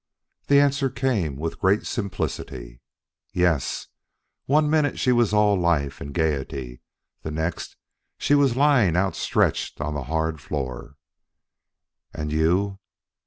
The answer came with great simplicity: "Yes. One minute she was all life and gaiety; the next she was lying outstretched on the hard floor." "And you?"